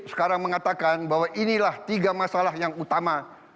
sekarang mengatakan bahwa inilah tiga masalah yang utama